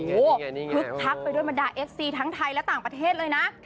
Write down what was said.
โอ้โหคึกคักไปด้วยบรรดาเอฟซีทั้งไทยและต่างประเทศเลยนะ